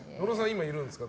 今いるんですか？